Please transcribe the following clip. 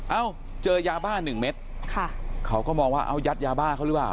เอ้าเจอยาบ้าหนึ่งเม็ดค่ะเขาก็มองว่าเอายัดยาบ้าเขาหรือเปล่า